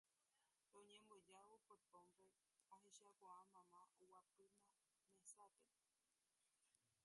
Roñembojávo portónpe ahechakuaa mama oguapýma mesápe